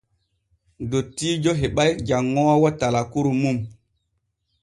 Dottiijo heɓay janŋoowo talkuru mum.